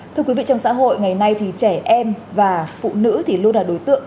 thưa quý vị trong xã hội ngày nay thì trẻ em và phụ nữ thì luôn là đối tượng